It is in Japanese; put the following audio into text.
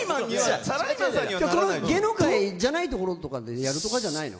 この芸能界とかじゃないところでやるとかじゃないの？